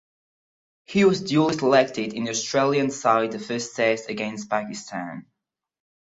He was duly selected in the Australian side the first test against Pakistan.